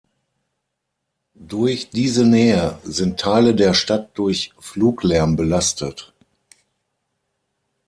Durch diese Nähe sind Teile der Stadt durch Fluglärm belastet.